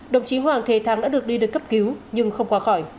đồng chí hoàng thế thắng đã được đi được cấp cứu nhưng không qua khỏi